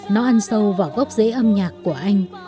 nó ăn sâu vào góc dễ âm nhạc của anh